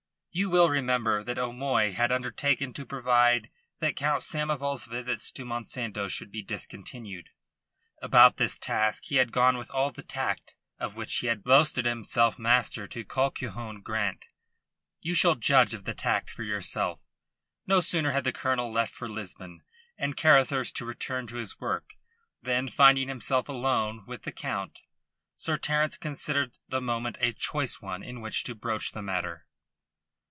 You will remember that O'Moy had undertaken to provide that Count Samoval's visits to Monsanto should be discontinued. About this task he had gone with all the tact of which he had boasted himself master to Colquhoun Grant. You shall judge of the tact for yourself. No sooner had the colonel left for Lisbon, and Carruthers to return to his work, than, finding himself alone with the Count, Sir Terence considered the moment a choice one in which to broach the matter.